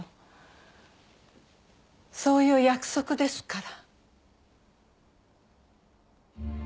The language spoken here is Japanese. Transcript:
そういう約束ですから。